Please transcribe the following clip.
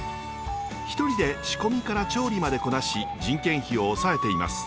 一人で仕込みから調理までこなし人件費を抑えています。